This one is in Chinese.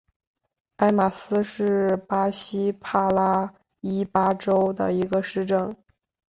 埃马斯是巴西帕拉伊巴州的一个市镇。